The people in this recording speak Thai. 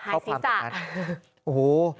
ข้อความตรงนั้นโอ้โห